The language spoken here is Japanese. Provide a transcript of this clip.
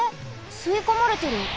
すいこまれてる。